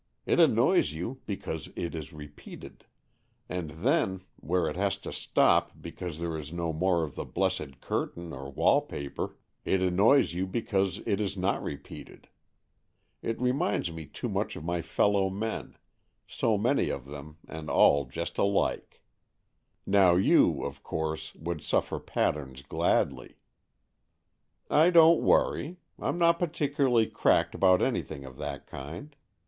It annoys you because it is repeated. And then, where it has to stop because there is no more of the blessed curtain or wall paper, it annoys you because it is not repeated. It reminds me too much of my fellow men — so many of AN EXCHANGE OF SOULS 51 them and all just alike. Now you, of course, would suffer patterns gladly.'' " I don't worry. I'm not particularly cracked about anything of that kind.